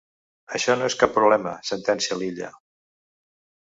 Això no és cap problema —sentencia l'Illa—.